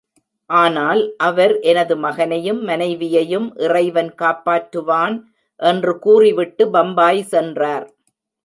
ஆனால் அவர் எனது மகனையும் மனைவியையும் இறைவன் காப்பாற்றுவான் என்று கூறிவிட்டு பம்பாய் சென்றார்.